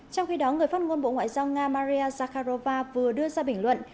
trong khi đó người phát ngôn bộ ngoại giao nga maria zakharova vừa đưa ra bình luận